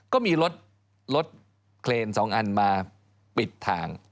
ก็มีรถเครน๒อันมาปิดทาง